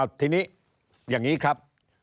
ทีนี้อย่างนี้ครับ